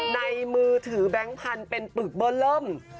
ในมือถือแบงค์พันเป็นปรึกเบิ้ลล่ำ